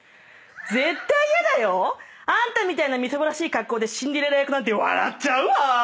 絶対ヤダよ⁉あんたみたいなみすぼらしい格好でシンデレラ役なんて笑っちゃうわ！